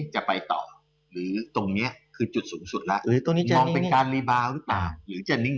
จะไปต่อหรือตรงนี้คือจุดสูงสุดล่ะมองเป็นการวีบาลให้ต่างหรือจะนิ่ง